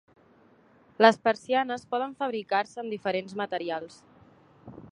Les persianes poden fabricar-se amb diferents materials.